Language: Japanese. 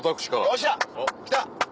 よっしゃ来た！